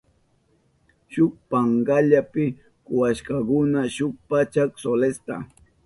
Shuk pankallapi kuwashkakuna shuk pachak solesta.